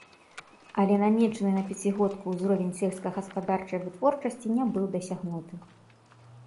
Але намечаны на пяцігодку ўзровень сельскагаспадарчай вытворчасці не быў дасягнуты.